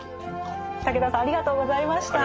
武田さんありがとうございました。